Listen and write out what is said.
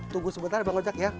tunggu sebentar bang ojek ya